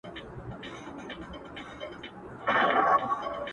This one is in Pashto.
o زه به له خپل دياره ولاړ سمه؛